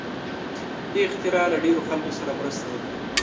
دې اختراع له ډېرو خلکو سره مرسته وکړه.